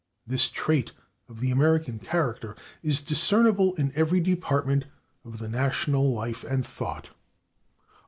This trait of the American character is discernible in every department of the national life and thought."